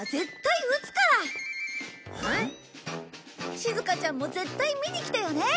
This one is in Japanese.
しずかちゃんも絶対見にきてよね。